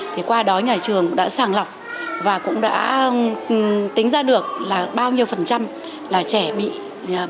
thì qua đó nhà trường đã sàng lọc và cũng đã tính ra được là bao nhiêu phần trăm là trẻ bị bệnh về răng miệng